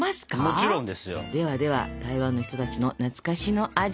もちろんですよ。ではでは台湾の人たちの懐かしの味